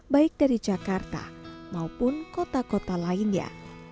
baik dari jakarta maupun kota kota lainnya